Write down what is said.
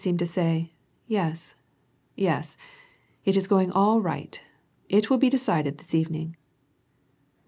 253 seemed to say: "Yes, yes*; it is going all right; it will be decided this evening."